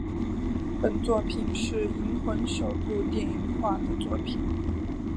本作品是银魂首部电影化的作品。